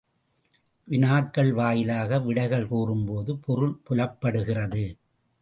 வினாக்கள் வாயிலாக விடைகள் கூறும்போது பொருள் புலப்படுகிறது.